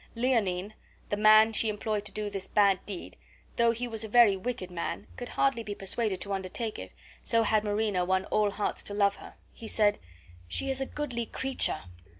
Leonine, the man she employed to do this bad deed, though he was a very wicked man, could hardly be persuaded to undertake it, so had Marina won all hearts to love her. He said: "She is a goodly creature!"